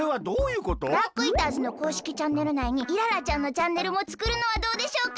ダークイーターズのこうしきチャンネルないにイララちゃんのチャンネルもつくるのはどうでしょうか？